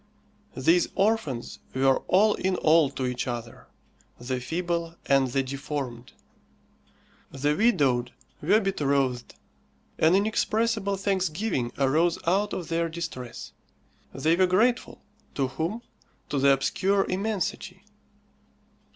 These orphans were all in all to each other, the feeble and the deformed. The widowed were betrothed. An inexpressible thanksgiving arose out of their distress. They were grateful. To whom? To the obscure immensity.